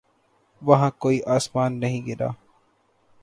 وہاں کوئی آسمان نہیں گرا۔